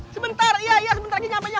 sebentar iya iya sebentar gini apanya